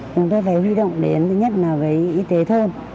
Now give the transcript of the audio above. chúng tôi phải huy động đến thứ nhất là với y tế thôn